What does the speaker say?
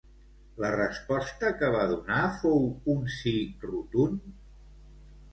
La resposta que va donar fou un sí rotund?